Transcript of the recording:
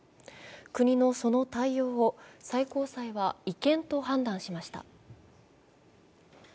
国のその対応を最高裁は違憲と判断しました。